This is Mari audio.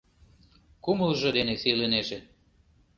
Кумылжо дене сийлынеже.